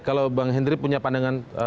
kalau bang hendry punya pandangan